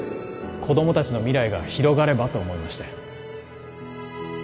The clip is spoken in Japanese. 子供達の未来が広がればと思いまして